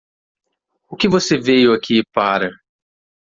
O que você veio aqui para?